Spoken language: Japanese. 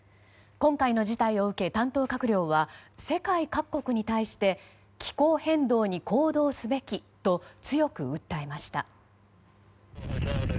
今回の事態を受け、担当閣僚は世界各国に対して気候変動に行動すべきと強く訴えました。